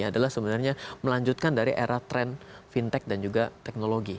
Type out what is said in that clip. adalah sebenarnya melanjutkan dari era tren fintech dan juga teknologi